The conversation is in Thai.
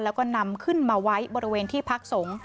แล้วก็นำขึ้นมาไว้บริเวณที่พักสงฆ์